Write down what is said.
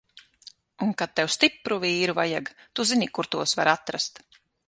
Un kad tev stipru vīru vajaga, tu zini, kur tos var atrast!